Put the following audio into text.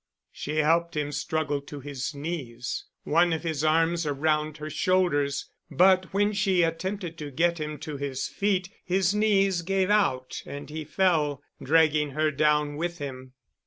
She helped him struggle to his knees, one of his arms around her shoulders, but when she attempted to get him to his feet, his knees gave out and he fell, dragging her down with him.